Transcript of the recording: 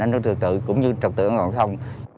đánh giá trực tự cũng như trật tựa giao thông